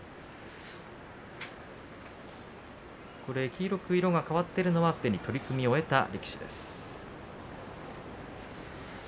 黄色く色が変わっている力士は取組を終えた力士です。